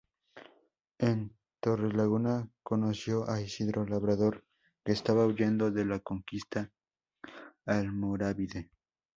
En Torrelaguna conoció a Isidro Labrador, que estaba huyendo de la conquista almorávide.